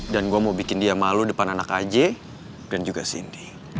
dan gue mau bikin dia malu depan anak aj dan juga cindy